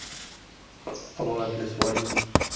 A worthless volume!